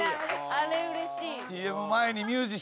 あれうれしい。